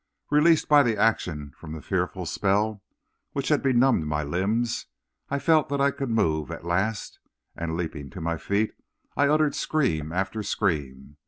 Released by the action from the fearful spell which had benumbed my limbs, I felt that I could move at last, and, leaping to my feet, I uttered scream after scream.